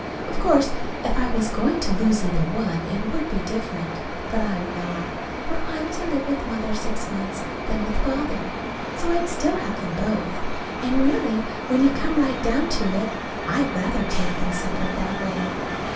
Of course if I was going to lose either one, it would be different. But I'm not, for I am to live with Mother six months, then with Father. So I still have them both. And, really, when you come right down to it, I'd rather take them separate that way.